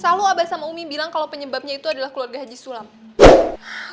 selalu abah sama umi bilang kalau penyebabnya itu adalah keluarga haji sulam